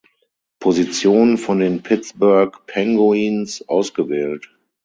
Position von den Pittsburgh Penguins ausgewählt.